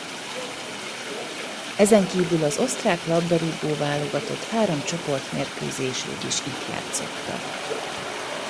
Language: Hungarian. Ezenkívül az osztrák labdarúgó-válogatott három csoportmérkőzését is itt játszotta.